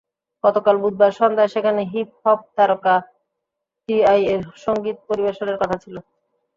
গতকাল বুধবার সন্ধ্যায় সেখানে হিপ-হপ তারকা টিআইয়ের সংগীত পরিবেশনের কথা ছিল।